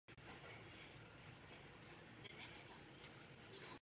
To this day culture in Northeast Brazil remains fully permeated by this African influence.